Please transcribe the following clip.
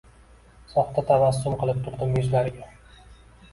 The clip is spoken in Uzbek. Soxta tabassum qilib turdim yuzlariga.